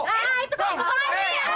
oya yang kecil